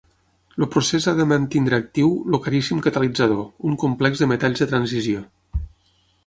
El procés ha de mantenir actiu el caríssim catalitzador, un complex de metalls de transició.